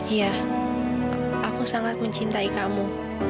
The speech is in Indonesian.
iya aku sangat mencintai kamu